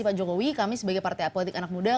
pak jokowi kami sebagai partai politik anak muda